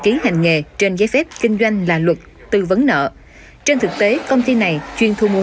ký hành nghề trên giấy phép kinh doanh là luật tư vấn nợ trên thực tế công ty này chuyên thu mua